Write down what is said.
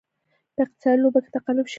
په اقتصادي لوبه کې تقلب شونې دی.